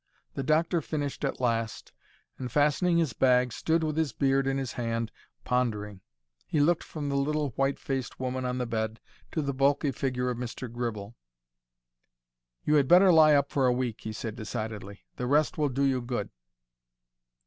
The doctor finished at last, and, fastening his bag, stood with his beard in his hand, pondering. He looked from the little, whitefaced woman on the bed to the bulky figure of Mr. Gribble. "You had better lie up for a week," he said, decidedly. "The rest will do you good."